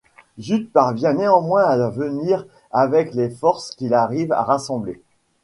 Zhu parvient néanmoins à venir avec les forces qu'il arrive à rassembler.